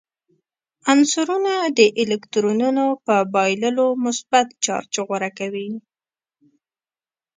عنصرونه د الکترونونو په بایللو مثبت چارج غوره کوي.